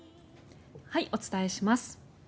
お伝えします。